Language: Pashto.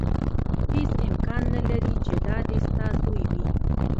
هېڅ امکان نه لري چې دا دې ستا زوی وي.